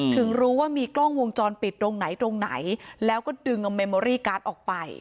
ถึงรู้ว่ามีกล้องวงจรปิดตรงไหนตรงไหนแล้วก็ดึงเอาเมมอรี่การ์ดออกไป